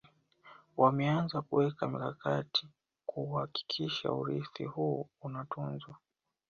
Wameanza kuweka mikakati kuhakikisha urithi huu unatunzwa